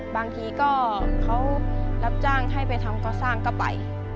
บางทีก็เขารับจ้างให้ไปทำก่อสร้างก็ไป